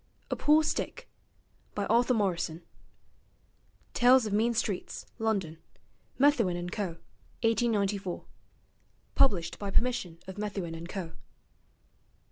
'A POOR STICK' By Arthur Morrison (Tales of Mean Streets, London: Methuen and Co., 1894) Published by permission of Methuen and Co.